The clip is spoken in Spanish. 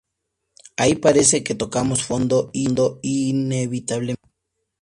Ahí parece que tocamos fondo, inevitablemente.